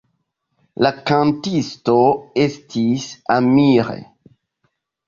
La kantisto estis Amir.